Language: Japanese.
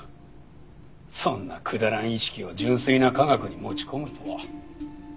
そんなくだらん意識を純粋な科学に持ち込むとは。